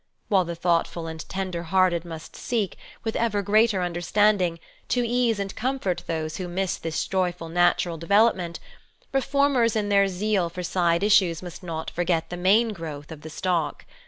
While the thoughtful and tenderhearted must seek, with ever greater understanding, to ease and comfort those who miss this joyful natural development, reformers in their zeal for side issues must not forget the main growth of the stock.